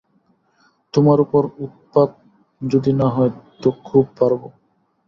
তোমার উপর উৎপাত যদি না হয় তো খুব পারব।